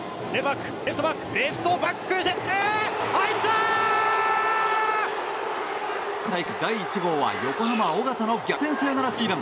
今大会第１号は横浜、緒方の逆転サヨナラスリーラン！